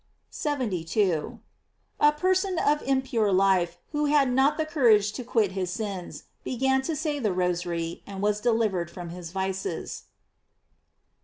72. — A person of impure life who had not the courage to quit his sins, began to say the Ro sary, and was delivered from his vices.